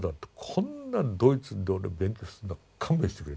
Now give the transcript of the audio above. こんなドイツで俺勉強するのは勘弁してくれ。